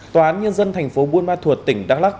tòa án nhân dân thành phố buôn ma thuột tỉnh đắk lắc